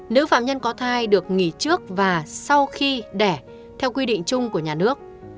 nữ phạm nhân có thai được nghỉ trước và sau khi đẻ theo quy định chung của nhà nước